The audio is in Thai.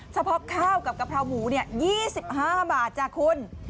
เฉพาะข้าวกับกะเพราหมู๒๕บาทจ้ะคุณ